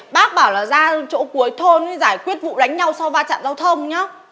bác bảo là ra chỗ cuối thôn giải quyết vụ đánh nhau sau va chạm giao thông nhá